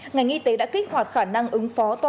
ngành y tế đã kích hoạt khả năng ứng phó